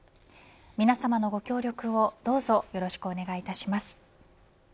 皆さまのご協力を、どうぞよろしくお願いいたします。